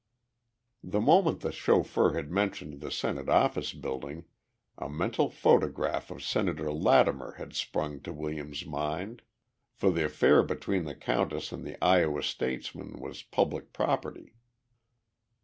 The moment the chauffeur had mentioned the Senate Office Building a mental photograph of Senator Lattimer had sprung to Williams's mind, for the affair between the countess and the Iowa statesman was public property.